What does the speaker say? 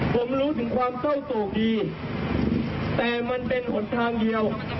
ผมรู้ถึงความเศร้าโศกดีแต่มันเป็นหนทางเดียว